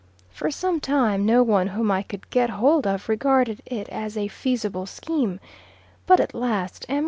For some time no one whom I could get hold of regarded it as a feasible scheme, but, at last, M.